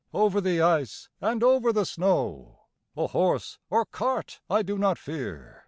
Over the ice, and over the snow; A horse or cart I do not fear.